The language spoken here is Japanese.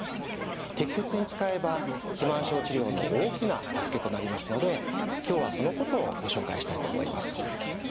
適切に使えば肥満症治療の大きな助けとなりますので今日はそのことをご紹介したいと思います。